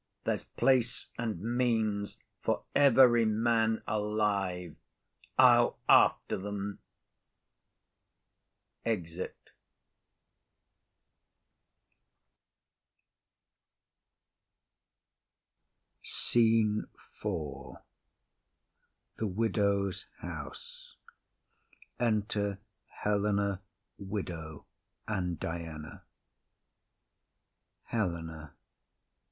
There's place and means for every man alive. I'll after them. [Exit.] SCENE IV. Florence. A room in the Widow's house. Enter Helena, Widow and Diana. HELENA.